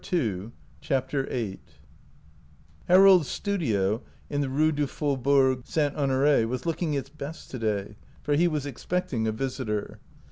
106 CHAPTER VIII HAROLD'S studio in the Rue du Fau bourg St. Honore" was looking its best to day, for he was expecting a visitor.